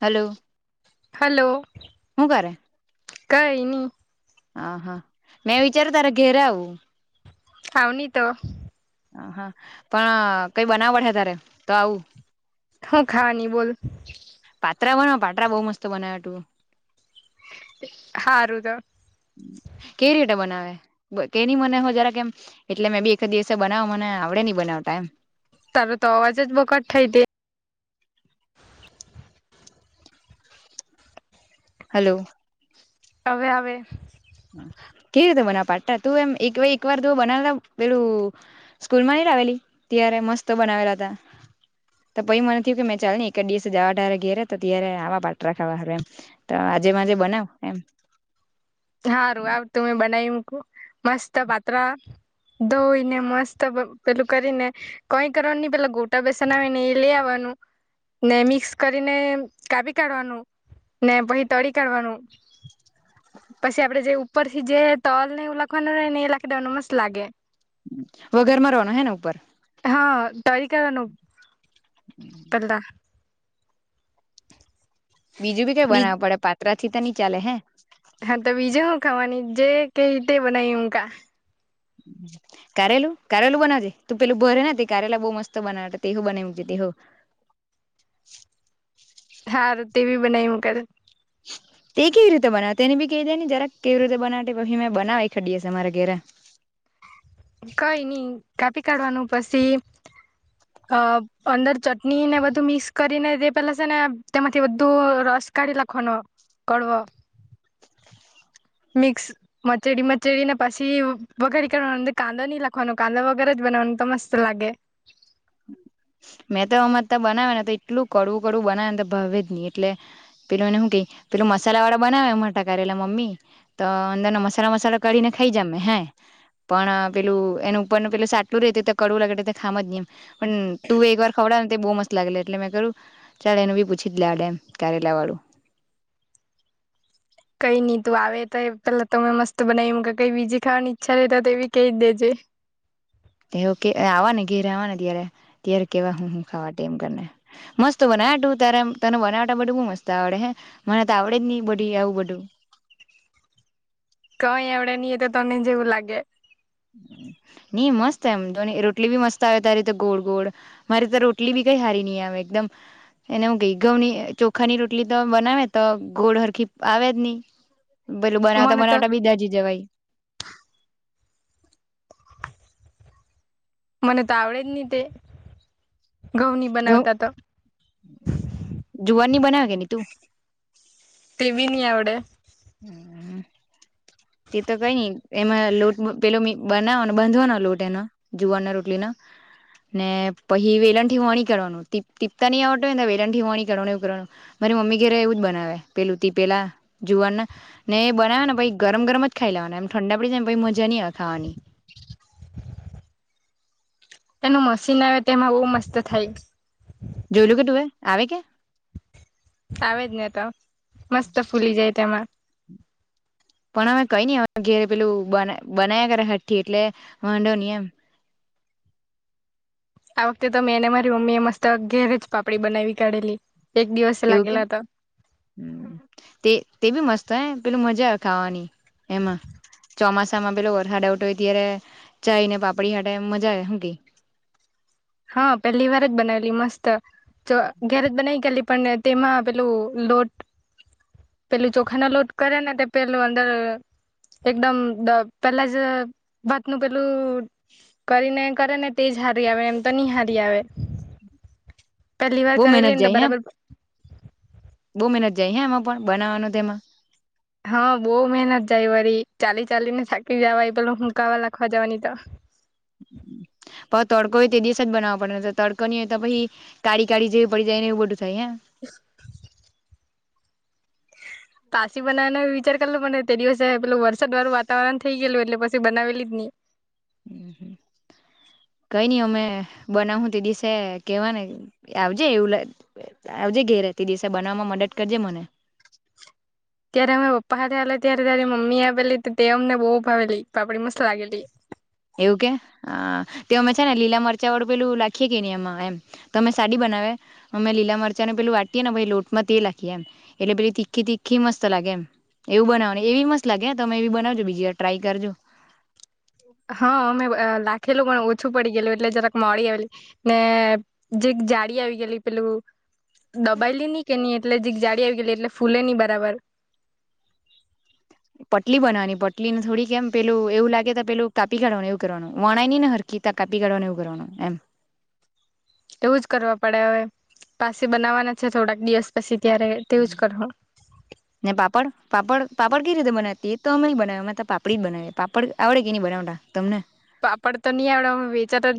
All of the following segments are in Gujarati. હલો હલો હગારે કઈ નહી હ હા મેં વિચાર તારેા ઘેરે આવું ખાવ ન તો હા પણ કઈ બનાવડે તારે તો આવું હ ખાવાની બોલ પાત્રામાં પાટા બઉ મસ્ત બનાવ હતું હારું તો કેવી રીતે બનાવે કે નહી મને હો જરા કેમ એટલે મેં બી એક દિવસે બનાવ મને આવડે નહ બનાવતામ તારા તો અવાજ જ બકટ થાય તે હલો હવે હવે કેવી રીતે બનાવ પાતા તું એમ એક વાર બનાવતા પેલું સ્કૂલમાં આવેલી ત્યારે મસ્ત બનાવેલા હતા તો પછ મને થયું કે મેં ચાલ ને એક જ દિવસે જવાઢારે ઘેરે તો ત્યારે આવા પાટા ખાવા હવેમ આજેમાંજે બનાવ એમ હા રું આવ તું મે બનાવી મુકુ મસ્ત પાત્રા. ધોઈને મસ્ત પેલું કરીને કઈ કરવા નુની પેલા ગોટા બેસન આવી ને એ લે આવવાનું. ને મિક્સ કરીને કાપી કાઢવાનું ને પછી તળી કાઢવાનું. [inaudible] પછી આપડે જે ઉપર થી જે તલ ને એવું લખવાનું રહે ને એ લાખી દેવાનું મસ્ત લાગે. વઘાર માંરવાનું હે ને ઉપર? હા તરી કાડવાનું પેલા. બીજું બી કઈ બીજ બનાવું પડે પાત્રા થી તો નની ચાલે હે. હા તો બીજુ હું ખાવાની જે કેઈ તે બનાવી મુકા. કારેલું કારેલું બનાવજે તું પેલું ભરે તે કારેલા બહુ મસ્ત બનાવે તે હો બનાવી મુક જે તે હો. [inaudible] હાર તે બી બનાવી મુ કરે. [inaudible] તે કેવી રીતે બનાવે તેને બી કહી દે ને જરાક કેવી રીતે બનાવ પછી મે બનાવ એકાદ દિવસ મારા ઘરે. [unintelligible] કઈ ની કાપી કાઢવાનું પછી અ અંદર ચટણી ને બધું મિક્સ કરીને તે પેલા છે ને તેમાંથી બધું રસ કાડી લાખવાનો કડવો. [inaudible] મિક્સ મચેડી મચેડી ને પછી વગારી કાડવાનો અદર કાંદો નહી લખવાનો કાંદો વગેર જ. બના તો મસ્ત લાગે. [unintelligible] મેં તો અમર બનાવે ને તો એટલું કડવું કડવું બનાવે ને તો ભાવે જ નહી એટલે પેલું એને હું કઈ. પેલું મસાલા વાળા બનાવે માટા કરેલા મમ્મી તો અંદર ન મસાલા મસાલા કરીને ખાઈ જમ મે હે. પણ પેલું એનું ઉપરનું પેલું સાટલું રેતું તો કડવું લાગે ખામ જ ની એમ તું એકવાર ખવડાવે ને તે બહુ મસ્ત લાગે એટલે મેં કરું ચાલ એનું બી પૂછી જ લેવાડે એમ કારેલા વાળું. કઈ નહી તું આવે તો પેલા તો મેં મસ્ત બનાવી કે કઈ બીજી ખાવાની ઈચ્છા રે તો એવી કઈ દેજે. તેવું કે આવા ને ઘેરે આવા ને ત્યારે ત્યારે કેવા હું હું ખાવા તેમ કરને મસ્ત બના ના તું ત્યારે તને બનાવતા બધું બો મસ્ત આવડે હે મને તો આવડે જ ની બધું આવું બધું. [inaudible] કઈ આવડે ની એ તો તને જ એવું લાગે. ની મસ્ત એમ જોની રોટલી બી મસ્ત આવે તારી તો ગોળ ગોળ મારી તો રોટલી બી કઈ હારી ની એકદમ એને હું કેઈ ઘઉની ચોખાની રોટલી તો બનાવે તો ગોળ હરખી આવે જ ની. પેલું બનાવતા મને તો બનાવતા બી દાજી જવાય. મને તો આવડે જ ની તે ઘઉં ની ઘઉ બનાવતા તો જુવારની બનાવે કે ની તું તે બી ની આવડે હમ્મ તે તો કઈ નઈ એમાં લોટ પેલો બનાવો બાંધવાનો લોટ એનો જુવારની રોટલીનો ને પહિ વેલણ થી વણી કારવાનું, ટીપ ટીપતા નહી આવ હોય વેલણ થી વણી કરવાનું એવું કરવાનું. મારી મમ્મી ઘેરે એવું જ બનાવે પેલું ટીપેલા જુવારના ને એ બનાવે ને પહિ ગરમ ગરમ જ ખાઈ લેવાનું એમ ઠંડા પડી જાય પહિ ને મજા ની આવે ખાવાની. [inaudible] એનું મશીન આવે તેમાં બહુ મસ્ત થાય. ખાવાની જોયલું કે તું એ આવે કે આવે જ ને તો મસ્ત ફૂલી જાય તેમાં. પણ અમે કઈ ની અવે ઘેરે પેલું બન બનાયા કરે હઠ્ઠી એટલે વાંધો ની એમ. આ વખતે તો મેંને મારી મમ્મી એ મસ્ત અ ઘેરેજ પાપડી બનાવી કાઢેલી. એક દિવસે એવું કે લાગેલા હતા તે તે બી મસ્ત તો પેલું મજા આવે ખાવાની એમાં ચોમાસામાં પેલો વરસાાડઉટોય ત્યારે ચાય ને પાપડી હાટે મજા આવે હું ક હા પહેલી વાર જ બનાવેલી મસ્ત જો ઘેરેજ બનાવી ગલી પણ તેમાં પેલું લોટ પેલું ચોખા ના લોટ કરે ને તે પેલું અંદર એકદમ પેલા જ ભત નું પેલું કરીને કરે ને તેજ હારી આવે એમ તો નિની હારી આવે પેલી વાર બહુ મહેનત કરેલીઈને જાય હે બરાબર જઈ હ એમાં પણ બનાવાનું તેમાં હા બહુ મહેનત જાય વાળ ચાલી ચાલીને થાકી જવાય પેલો હુંકાવા લખવા જવાની તો હમ પ તડકો હોય તે દિવસ જ બનાવવા પડે તો તડકો નીય તો પછ કાળી કાઢી જેવી પ જાયને એવું બધું જહી પાસીી બનાવાનો વિચાર કરલ મને તે દિવસે પેલું વરસાદ વારું વાવરણ થઈ ગયેલું એટલે પી બનાવેલી જ નહી હમ હમ કઈ નઈ અમે બનાવું તે દસે કેવા ને આવજે એવું ઘેર તે દિવસે બનાવવામાં મદદ કરજે મને ત્યારે અમે પપ્પા સાથે આવે ત્યારે તારી મમ્મી આવેલી તે અમને બહુ ભાવેલી પાપડી મસ્ત લાગેલી એવું કે હા તે અમે છે ને લીલા મરચા વાળું પેલું લખીએે કે ને એમાં એમ અમે સાડી બનાવે અમે લીલા મરચાને પેલ વાટટીએેને પછ લોટમાં તેલ લખીએ એમ એટલે પેલી તીખી તીખી મત લાગે એમ એવું બનાવનું એવી મસલા કે તમે એવી બનાવજો બીજી વાર ટ્રાય કરજો હા અમે લાખેલું ઓછું પડી ગયલું એટલે જરાક મળી આવેલી ને જે જાળી આવી ગયલી પલું દબાયેલી નહી કે નહી એટલે જે જાળી આવી ગયલી એટલે ફૂલે નહ બરાબર પટલી બનવાની પટલીને થોડી કેમ પેલું એવું લાગે પેલું કાપી કાઢવા એવું કરવાનું વાણ નઈને હરકીતા કાપી કાઢવાને એવું કરવાનું એમ એવું જ કરવા પડે હવે પાસે બનાવવાના છે થોડાક દિવસ પછી ત્યારે તેવું જ કરવું ને પાપડ પાપડ પાપડ ક રીતે મનેતી તો અમે બનાવે એમાં તો પાપડી જ બનાવી પાપડ આવડે કે નની બનાવડા તમને પાપડ તો નહી આવડે વેચાતા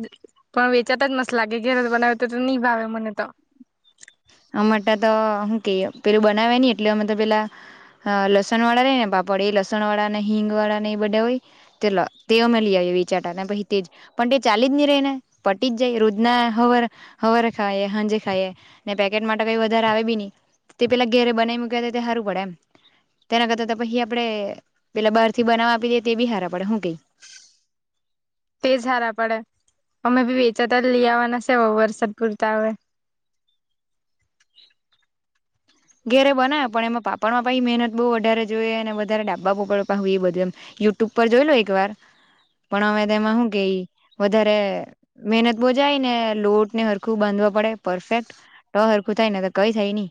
પણ વેચાતા જ મસ્ત લાગે ગેર બનાવે તો તો નહી ભાવે મને તો અમાટા તો શું કહીએ પેલું બનાવે નહી એટલે અમે તો પેલા લસણ વાળા રહી ને પાપડ એ લસણ વાળા હિંગ વાળા ન બ હોય તો તે અમે લએ ચાટાને પછી તે ચાલી જ નહી રહી ને પટી જ જાય રોજ ના હવર હવર ખાય હાજે ખાઈ ને પેકેટ માટે કઈ વધારે આવે બી ન તે પેલા ઘેરે બનાવી મૂક્યા તે સારું પડે એમ તેના કરતા તો પછી આપડે પેલા બહાર થી બનાવવા આપી દેએ તે બી હારા પડે હું કઈ તે સારા પડે અમે બી વેચાતા લઈ આવવાના છે વરસાદ પૂરતા હ ઘેરે બને પણ એમાં પાપડમાં પણ મહેનત બહુ વધારે જોઈએ અને વધારે ડા્બા પપડ એ બધું એમ યુટ્યુબ પર જોઈ લો એક વાર પણ અમે તેમાં શું કે વધારે મહેનત બો જાય ને લોટ ને હરખું બાંધ પડે પરફેક્ટ ટ હરખું થાય ને તો કઈ થાય નહી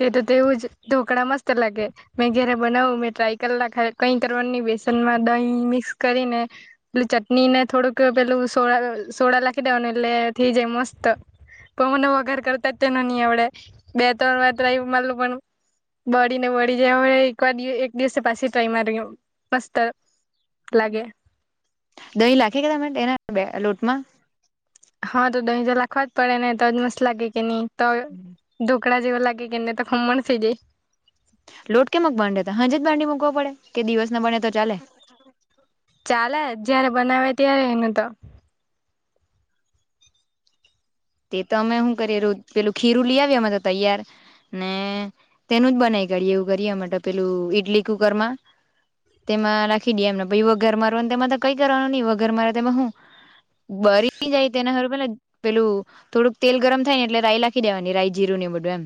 તે તો તેવું જ ઢોકળા મસ્ત લાગે મે ઘરે બનાવું મેં ટ્રાય કરલા ખ કઈ કરવા ન બેસ દહી મિક્સ કરીને પ ચટ ને થોડું પેલું સો સોડા લખી એટલે થઈ જાય મસ્ત પણ મને વગાર કરતા તે ન નહ આવડે બે ત્રણ વાર મતલ પણ બળીને બળી જ એકવાર એક દિવસે પાછી ટ્રાય મારી મસ્ત લાગે દહીં લખી કે તામે એના બે લોટમાં હા તો દહી જ રાખવા જ પડે ને ત મસ લાગે કે ની તો કડા જેવા લાગે કેને તો ખમન થઈ જાય લોટ કે મક બાડે હજે જ બાડી મૂકવો પડે કે દિવસ ના બને તો ચાલે ચાલે જયારે બનાવે ત્યારે એનું તો તે તો અમે શું કરીએ પેલું ખીરું લઈ આવીએ અમાં તો તૈયાર ને તેનું જ બનાવી ગળી એવું કરી માટે પેલું ઈડલી કુકર માં તેમાં રાખી દીએ એમનમ પછી વગાર મારવા તેમાં તો કઈ કરવાનું નહી વગાર મારે તેમાં હું બરી જાય તેને પેભૂ થોડુંક તેલ ગરમ થાય ને એટલે રાાય નાખી દેવાની રાય જીરું ને બધું એમ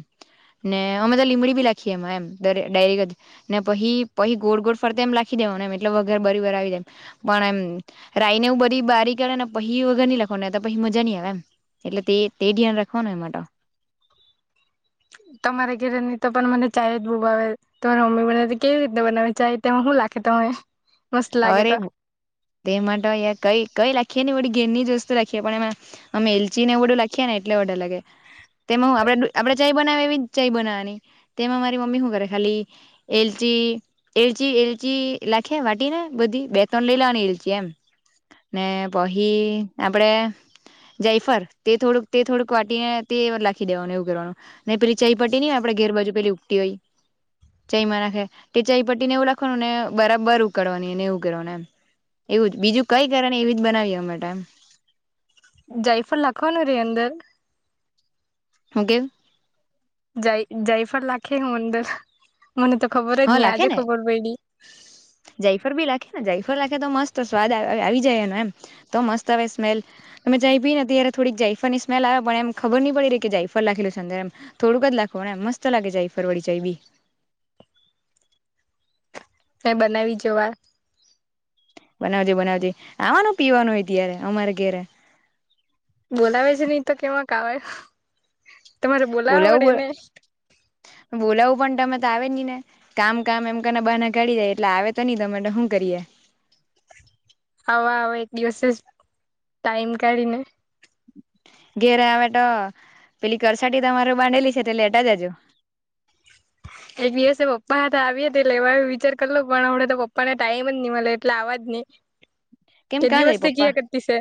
ને અમે તોા લીમડી બી લખીએ એમાં એમ ડાયરેક જ ને પહિ પહિ ગોળ ગોળ ફરતા એમ લખી એટલે વગર બરી બવી દે પણ એમ રાઈનેવું બધી બારી કળે ને પહી વગર લખવાનું પછી મજા નહી આવે એમ એટલે તે તે ધ્યાન રાખવાનું એમાં તો તમારા ઘરે ની તો પણ મને ચાય જ બુબ આવે તમારી મમ્મી બને કેવી રીતને બનાવે ચાય તેમાં હું લાગ તમે મસ્ત લાગે અરે તો તે માટે કઈ કઈ લાગ રાખી ને વળી ની જ વસ્તુ રાખીએ પણ એમાં અમે એલચી નેવ બધું નાખીએ ને એટલે ઓડર લાગે તેમાં હું આપડે આપડે જ ચાઇ બનાવાની તેમાં મારી મમ્મી શું કરે ખાલી એલચી એલચી લખે વાટી ને બધી બે ત્રણ લઈ લવાની એલચી એમ ને પહી આપ આપડે જાયફર તે થોડુંક તે થોડુંક વાટીને તે નાખી દેવાનું એવું કરવાનું નઈ પેલી ચાય પટટીને આપણા ઘેર બાજુેું ચયમાં નાખે તે ચાય પટ્ટી ને એવું રાખવાનું ને બરાબર ઉકળવાનું એવું કરવા એમ એવું જ બીજું કઈ કરવા એવી જ બનાવીએ અમે તો એમ જયફલ લખવાનું રે અંદર હું કેછ જય જયફર લખે હું અંદર મને તો ખબર જ હા નહી લાખે આજે ને ખબર પયડી જાયફર બી લાખે જાયફર લખે તો મસ્ત સ્વાદ આવી જાયનો એમ તો મસ્ત આવે સ્મેલ અમે ચાય પીને અત્યારે થોડીક જાયફર ની સ્મેલ આવે પણ એમ ખબર નહી પડીહી કે જઝાયફ લખેલુંરમ થોડું જ લખવાનું એમ મસ્ત લાગે જાયફર ફરવડી ચાય બી તે બનાવી જોવાએ બનાવજે, બનાવજે. ખાવાનું-પીવાનું હોય ત્યારે અમારે ઘેરે. બોલાવે છે નહી તો કેવા ક આવે. તમારે બોલાવા પડે બોલાવું ને ણ બોલાવું પણ તમે તો આવે નહી ને કામ કામ એમ કહીંને બહાના કાઢી દઈએ એટલે આવે તો નહી તમે તો હું કરીએ? [inaudible] હવા આવીશ એક દિવસે જ ટાઈમ કાઢીને. ઘેરે આવે તો પેલી કરસાટી તમારે બનેલી છે તે લેટા જાજો [inaudible] એક દિવસે પપ્પા હતા આવી હતી લેવા વિચાર કરલો પણ હવડે તો પપ્પાને ટાઈમ જ નહી મળે એટલે આવ જ નઈ કેમ તે કાં જાય દિવસથી પપ્પા ક્યા કરતીશે?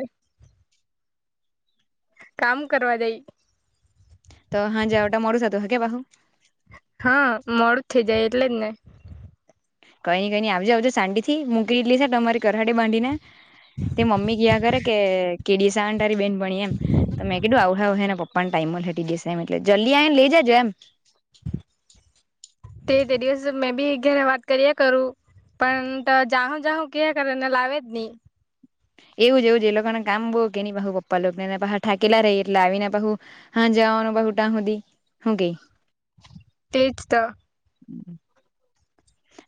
કામ કરવા દઈ. તો હા જવટા મોડું થતું હશે કે બાહુ હા મોડું થઈ જાય એટલે જ ને કઈ નઈ કઈ નઈ આવજે આવજે શાંતિથી મૂકી લે છે તમારી કરહાડી બાડીને તે મમ્મી કયા કરે કે કેડી સાડ આવવાની? બેનપણી એમ તોમે કીધું આવહે આવહે એના પપ્પા પણ ટાઈમ માં લેટી દેશે એમ એટલે જલ્દી આને લઈ જજો એમ તે તે દિવસ મેં બી ઘરે વાત કરીએ કરું. પણ તો જાહું જાહું કે કરે ને લાવે જ નહી. એવું જ એવું એ લોકોને કામ બહુ કે પા હું પપ્પા લોકો એના થાકેલા રહી એટ આવી પા હું તનું બહુટા સુદી હું કે તેજ તો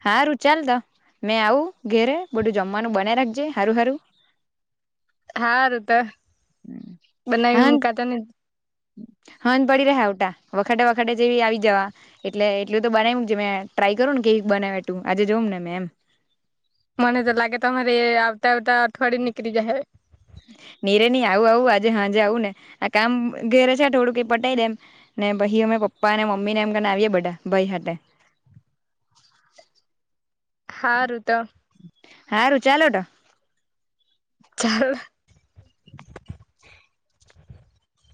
હા રું ચાલ તો મેં આવું ઘેરે બધું જમવાનું બનાવી રાખજે હારું હારું. હા ર તો બનાવી મુકાાતાને હંધ પડી રહ્યા આવટા વખાતે વખા જેવી આવી જવા એટલે એટલું તો બનાવી મે ટ્રાય કરું ને કે બનાવે તું આજે જોઉમ ને મે એમ મને તો લાગે તમારે આવતા આવતા અઠવાડિયે નીકળી જાય હ નીરે ન આવું આવું આજે હાજે આવું ને આ કામ ઘેરે છે. થોડુંક પટાઈ દેમ. ને ભ પપ્પા અનેને મમ્મી ને એમને આવીએ બધા ભાઈ સાથે. હા રુ તો હાારું ચાલો તો ચાલ